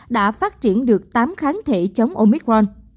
đã phát triển được tám kháng thể chống omicron